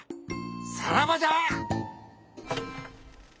さらばじゃ！